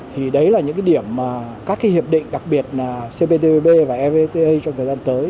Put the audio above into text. thì đấy là những điểm mà các hiệp định đặc biệt là cptpp và fvfta trong thời gian tới